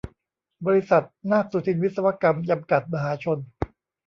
บริษัท นาคสุทินวิศวกรรม จำกัด มหาชน